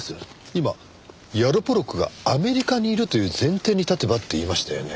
今「ヤロポロクがアメリカにいるという前提に立てば」って言いましたよね？